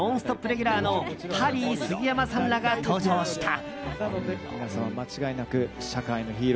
レギュラーのハリー杉山さんらが登場した。